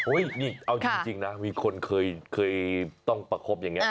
นี่เอาจริงนะมีคนเคยต้องประคบอย่างนี้